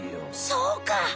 そうか！